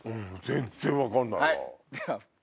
全然分かんないわ。